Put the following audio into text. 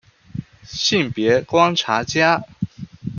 性別觀察家